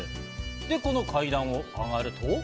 この階段を上がると。